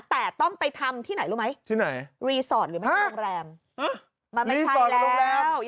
แต่ต้องไปทำที่ไหนรู้ไหมที่ไหนรีสอร์ทหรือไม่โรงแรมมันไม่ใช่โรงแรม